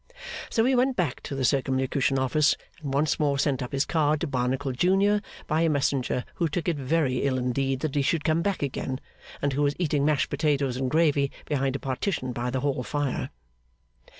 So he went back to the Circumlocution Office, and once more sent up his card to Barnacle junior by a messenger who took it very ill indeed that he should come back again, and who was eating mashed potatoes and gravy behind a partition by the hall fire.